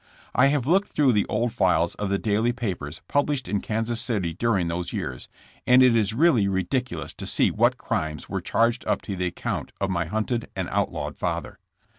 I have looked through the old files of the daily papers published in Kansas City during those years, and it is really ridiculous to see what crimes were charged up to the account of my hunted and outlawed father.